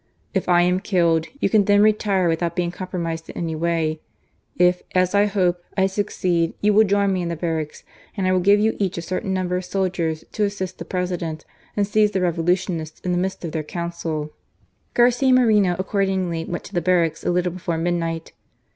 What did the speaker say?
If I am killed, you can then retire with out being compromised in any way. If, as I hope, I succeed, you will join me in the barracks, and I will give you each a certain number of soldiers to assist the President and seize the Revolutionists in the midst of their council," " :t,i 196 GARCiA MORENO. Garcia Moreno acrordmgly went to the baihnadk^ a l^le* before midniglit.